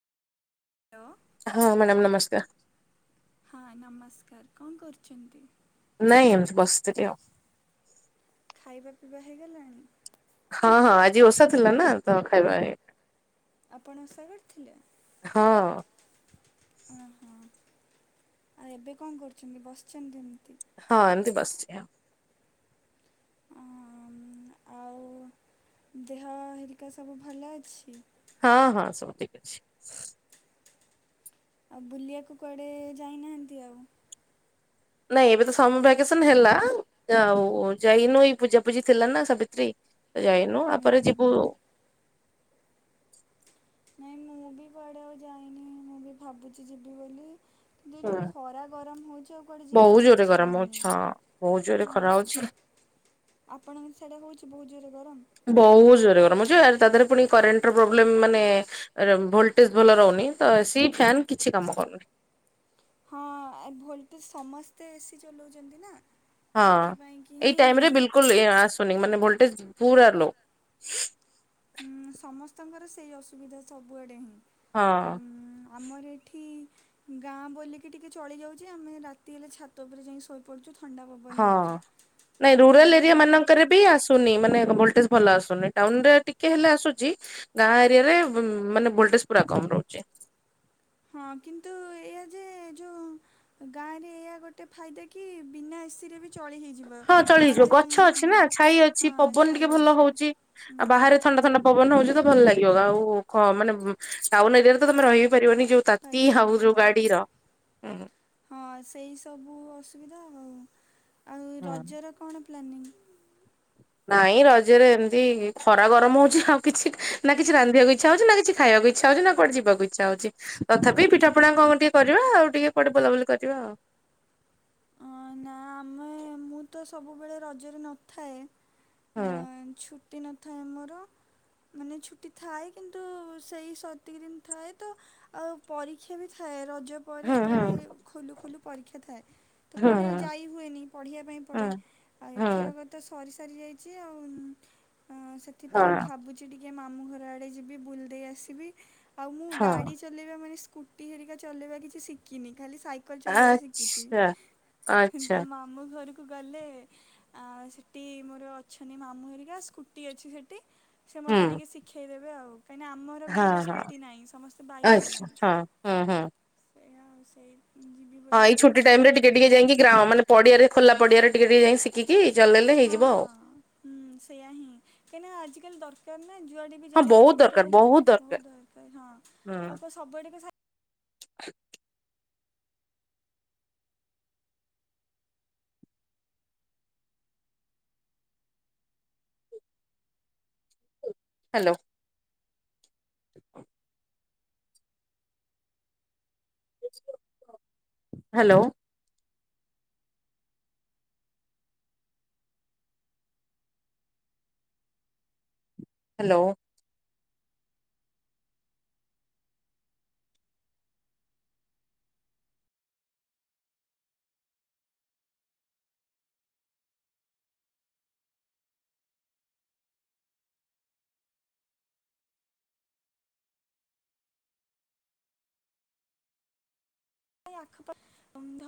ହେଓ ହଁ ମ୍ୟାଡ଼ାମ ନମସ୍କାର। ହଁ ନମସ୍କାର କଣ କରୁଛନ୍ତି? ନାଇଁ ଏମିତି ବସିଥିଲି ଆଉ। ଖାଇବା ପିଇବା ହେଇଗଲାଣି। ହଁ ହଁ ଆଜି ଓଷା ଥିଲା ନା ତ ଖାଇବା ଏ ଆପଣ ଓଷା କରିଥିଲେ। ହଁ। ଅ ହ ଆଉ ଏବେ କଣ କରୁଛନ୍ତି ବସିଛନ୍ତି ଏମିତି। ହଁ ଏମିତି ବସଛି ଆଉ। ଅମ୍, ଆଉ ଦେହ ହେରିକା ସବୁ ଭଲ ଅଛି। ହଁ ହଁ ସବୁ ଠିକ୍ ଅଛି। ଆଉ ବୁଲିବାକୁ କୁଆଡ଼େ ଯାଇନାହାଁନ୍ତି ଆଉ। ନାଇଁ ଏବେ ତ ସମର ଭ୍ୟାକେସନ୍ ହେଲା ଆଉ ଯାଇନୁ ଏଇ ପୂଜାପୂଜି ଥିଲା ନା ସାବିତ୍ରୀ। ଯାଇନୁ ଆପରେ ହୁଁ, ଯିବୁ। ନାଇଁ ମୁଁ ବି କୁଆଡେ ଆଉ ଯାଇନି ମୁଁ ବି ଭାବୁଚି ଯିବି ବୋଲି। ଯେ ଯଉ ହୁଁ ଖରା ଗରମ ହଉଛି ଆଉ କୁଆଡ଼େ ବହୁତ ଯିବାକୁ ଜୋରରେ ଇଚ୍ଛା ଗରମ ହଉନି‌ ହଉଛି ହଁ ବହୁତ ଜୋରରେ ଅଁ। ଖରା ହଉଛି ଆପଣଙ୍କ ସିଆଡେ ହଉଛି ବହୁତ୍ ଜୋର ରେ ଗରମ। ବହୁତ୍ ଜୋରରେ ଗରମ ହଉଛି ତା ଦେରେ ପୁଣି କରେଣ୍ଟ୍ ପ୍ରୋବ୍ଲେମ୍ ମାନେ। ଭୋଲଟେଜ୍ ଭଲ ରହୁନି ତ ଏସି ଫ୍ୟନ୍ କିଛି କାମ କରୁନି। ହଁ ଏ ଭୋଲଟେଜ୍ ସମସ୍ତେ ଏସି ଚଲାଉଛନ୍ତି ନା। ହଁ ସେଥିପାଇଁକି ଏଇ ହିଁ ଟାଇମ୍ ରେ ବିଲକୁଲ ଆସୁନି ମାନେ ଭୋଲ୍ଟେଜ୍ ପୁରା ଲୋଓ। ହୁଁ ସମସ୍ତଙ୍କର ସେଇ ଅସୁବିଧା ସବୁଆଡ଼େ ହିଁ ହଁ ଆଉ ଆମର ଏଠି ଗାଁ ବୋଲିକି ଟିକେ ଚଳିଯାଉଛି ଆମେ ରାତି ହେଲେ ଛାତ ଉପରେ ଯାଇ ଶୋଇ। ପଡ଼ୁଛୁ ଥଣ୍ଡା ପବନ ଦଉଛି ହଁ। ନାଇଁ ଆଉ ରୁରାଲ ଏରିଆ ଯେଉଁମାନେ। ମାନଙ୍କରେ ବି ଆସୁନି ମାନେ ଭୋଲ୍ଟେଜ୍ ଭଲ ଆସୁନି ଟାଉନ୍ ରେ ଟିକେ ହେଲେ ଆସୁଛି। ଗାଁ ଏରିଆ ରେ ମାନେ ଭୋଲ୍ଟେଜ୍ ପୁରା କମ୍ ରହୁଛି। ହଁ କିନ୍ତୁ ଏଇଆ ଯେ ଯୋଉଁ ଗାଁରେ ଏଇଆ ଗୋଟେ ଫାଇଦା କି ବିନା ଏସିରେ ବି। ଚଳି ହେଇଯିବ ହଁ ଚଳିଯିବ ବାହାରେ ଗଛ ଯାଇ ଅଛି ହଁ ନା ଛାଇ ଅଛି ହଁ ପବନ ଟିକେ ଛାଇ ଭଲ ଅଛି। ହଉଛି। ହୁଁ ଆଉ ବାହାରେ ଥଣ୍ଡା ଥଣ୍ଡା ପବନ ହଉଛି ତ ଭଲ ଲାଗିବ ଆଉ ମାନେ ଟାଉନ୍ ଏରିଆରେ ତମେ ରହିିବି ପାରିବନି ଯୋଉ। ତାତି ପାରିବନି ହାଉ ହଁ ଯୋଉଗାଡିର ହୁଁ। ହଁ ସେଇ ସବୁ ଅସୁବିଧା ଆଉ ଆଉ ହଁ। ରଜର କଣ ପ୍ଲାନିଂ। ନାଇଁ ରଜରେ ଏମିତି ଖରା ଗରମ ହଉଛି ଆଉ କିଛି ନା କିଛି ରାନ୍ଧିବାକୁ ଇଚ୍ଛା ହଉଛି ନା କିଛି ଖାଇବାକୁ ଇ। ଇଚ୍ଛା ହଉଛି ନା କଆଡେ ଯିବାକୁ ଇଚ୍ଛା ହଉଛି ତଥାପି ପିଠା ପଣା କଣ ଟିକେ କରିବା ଆଉ ଟିକେ କୁଆଡେ ବଲାୁବୁଲି କରିବା ଆଉ। ହଁ ନା ଆମେ। ମୁଁ ତ ସବୁବେଳେ ରଜରେ ନଥାଏ ଛୁଟି ନଥାଏ ମୋର। ମାନେ ଛୁଟି ଥାଏ କିନ୍ତୁ ସେଇ ସତିକି ଦିନି ଥାଏ ତ। ଆଉ ପରୀକ୍ଷା ବି ଥାଏ ରଜ। ପରେ ହୁଁ ହୁଁ ପ୍ରାୟ ଖୋଲୁ ଖୋଲୁ ପରୀକ୍ଷା ଥାଏ ତ ହୁଁ ହୁଁ କୁଆଡ଼େ ଆଉ ଯାଇ ହୁଏନି ପଢ଼ିବା ପାଇଁ ହୁଁ ପଡେ ଆଉ ହୁଁ ଏଥରକ ତ ଆଉ ସରିସାରି ଯାଇଛି ଆଉ ହଁ ଭାବୁଛି। ଚି ଟିକେ ମାମୁଁ ଘର ଆଡେ ଯିବି ବୁଲି ଦେଇ ଆସିବି ଆଉ ମୁଁ ହଁ। ଗାଡି। ଚଲେଇବା ମାନେ ସ୍କୁଟି ହେରିକା ଚଲେଇବା କିଛି ଶିଖିନି ଖାଲି ସାଇ। କଲ ଚଲେଇବା ଶିଖିଛି ଆଚ୍ଛା ତ ଆଚ୍ଛା ମାଊମୁ ଘର କୁ ଗଲେ ସେଠି ମୋର ଅଛନ୍ତି ମାମୁଁ ହେରିକା ସ୍କୁଟି ଅଛି ସେଠି। ସେ ହୁଁ ମତେ ଟିକେ ଶିଖେଇଦେବେ ଆଉ। କାହିଁକିନା ଆମର ହଁ ଘରେ ହଁ ସ୍କୁଟି ନାହିଁ ସମସ୍ତେ ବାଇକ୍ ଆଚ୍ଛା ଚଲାନ୍ତି। ହଁ ହୁଁ ହୁଁ। ସେଇୟା ଆଉ ସେଇ- ହଁ ବୋଲି ଏଇ ଛୁଟି ଭାବୁଛି ଟାଇମ୍ ଆଉ। ରେ ଟିକେ ଟିକେ ଯାଇକି ଗ୍ରାରା ମାନେ ପଡିଆରେ ଖୋଲା ପଡ଼ିଆରେ ଟିକେ ଟିକେ ଯାଇ ଶିଖିକି ଯ ହଁ ହଁ ହୁଁ ସେଇୟା ହିଁ କାହିଁକିନା ଆଜିିକାଲି ଦରକାର ନା ଯୁଆଡେ। ହଁ ଯାଉଛେ ବହୁତ ଟିକେ ଦରକାର ବହୁତ ବହୁତ୍ ଦରକାର ହଁ ହୁଁ ଆଉ କଣ ସବୁଆଡ ସାଇ। ହ୍ୟାଲୋ। [unintelligible] ହ୍ୟାଲୋ। ହ୍ୟାଲୋ। ଆ ଆଖ